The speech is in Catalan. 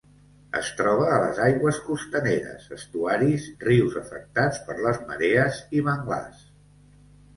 Es troba a les aigües costaneres, estuaris, rius afectats per les marees i manglars.